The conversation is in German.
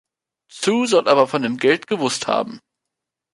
Zhou soll aber von dem Geld gewusst haben.